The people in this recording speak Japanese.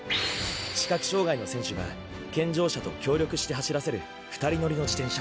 視覚障がいの選手が健常者と協力して走らせる二人乗りの自転車。